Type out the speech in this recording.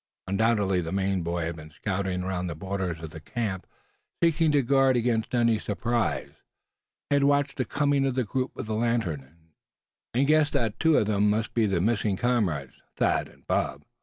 Undoubtedly the Maine boy had been scouting around the borders of the camp, seeking to guard against any surprise. He had watched the coming of the group with the lantern, and guessed that two of them must be the missing comrades, Thad and Bob.